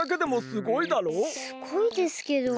すごいですけど。